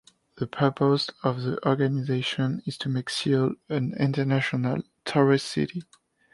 The purpose of the organization is to make Seoul an international tourist city.